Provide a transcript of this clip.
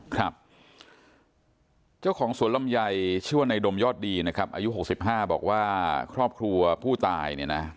ครับเจ้าของสวนลำไยชื่อว่าในดมยอดดีนะครับอายุ๖๕บอกว่าครอบครัวผู้ตายเนี่ยนะ